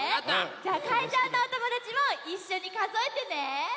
じゃあかいじょうのおともだちもいっしょにかぞえてね。